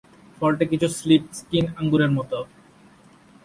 ফলটি কিছুটা স্লিপ-স্কিন আঙুরের মতো।